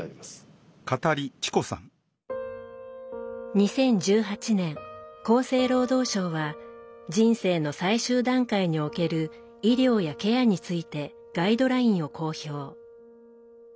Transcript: ２０１８年厚生労働省は人生の最終段階における医療やケアについてガイドラインを公表。